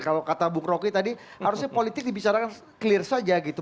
kalau kata bung roky tadi harusnya politik dibicarakan clear saja gitu